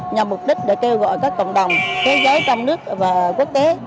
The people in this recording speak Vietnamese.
nhằm mục đích để kêu gọi các cộng đồng thế giới trong nước và quốc tế